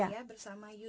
saya bersama yuyun